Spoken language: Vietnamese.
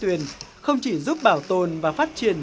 tuyền không chỉ giúp bảo tồn và phát triển